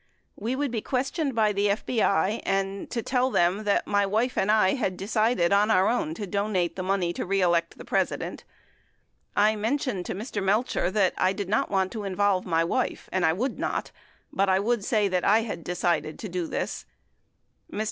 we would be questioned by the FBI and to tell them that my wife and I had decided on our own to donate the money to reelect the President. I mentioned to Mr. Melcher that I did not want to involve my wife and w T ould not, but I would say that I had decided to do this. Mr.